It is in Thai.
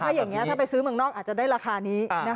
ถ้าอย่างนี้ถ้าไปซื้อเมืองนอกอาจจะได้ราคานี้